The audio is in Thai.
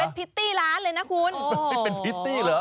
เป็นพริตตี้ร้านเลยนะคุณเป็นพิตตี้เหรอ